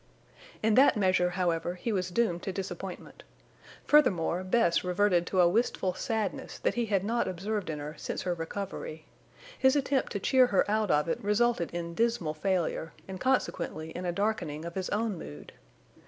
In that measure, however, he was doomed to disappointment. Furthermore, Bess reverted to a wistful sadness that he had not observed in her since her recovery. His attempt to cheer her out of it resulted in dismal failure, and consequently in a darkening of his own mood.